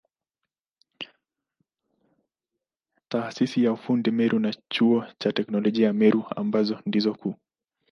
Taasisi ya ufundi Meru na Chuo cha Teknolojia ya Meru ambazo ndizo kuu.